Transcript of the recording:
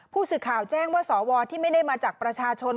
ผู้สื่อข่าวแจ้งว่าสวที่ไม่ได้มาจากประชาชน